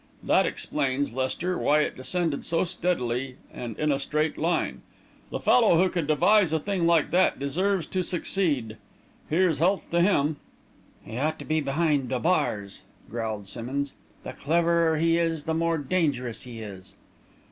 That explains, Lester, why it descended so steadily and in a straight line. The fellow who could devise a thing like that deserves to succeed! Here's health to him!" "He ought to be behind the bars," growled Simmonds. "The cleverer he is, the more dangerous he is."